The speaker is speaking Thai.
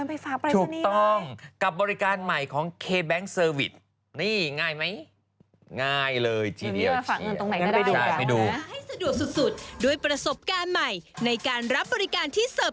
เอาเงินไปฝากปริศนีย์ไทย